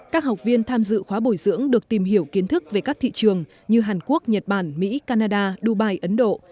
các học viên tham dự khóa bồi dưỡng được tìm hiểu kiến thức về các thị trường như hàn quốc nhật bản mỹ canada dubai ấn độ